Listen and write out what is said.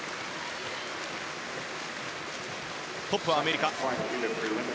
トップはアメリカ。